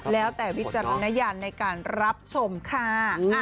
แล้วแต่วิจารณญาณในการรับชมค่ะ